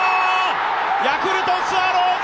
ヤクルトスワローズ